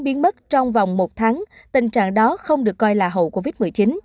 biến mất trong vòng một tháng tình trạng đó không được coi là hậu covid một mươi chín